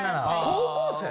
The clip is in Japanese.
高校生？